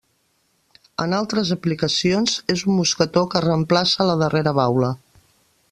En altres aplicacions és un mosquetó que reemplaça la darrera baula.